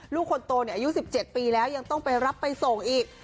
ลูกคนโตอายุ๑๗ปีแล้วยังต้องไปรับไปส่งอีก